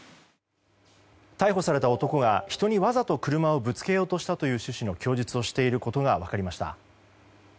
逮捕された男が人にわざと車をぶつけようとしたという趣旨の供述をしていることが分かりました。